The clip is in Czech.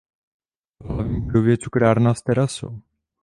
V hlavní budově je cukrárna s terasou.